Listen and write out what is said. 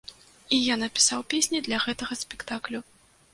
І я напісаў песні для гэтага спектаклю.